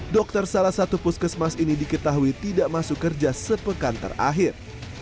dokter salah satu puskesmas ini diketahui tidak masuk kerja sepekan terakhir